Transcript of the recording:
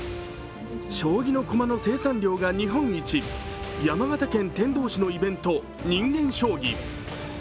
将棋の駒の生産量が日本一、山形県天童市のイベント、人間将棋。